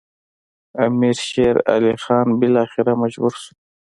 امیر شېر علي خان بالاخره مجبور شو.